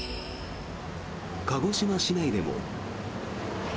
鹿児島市内でも。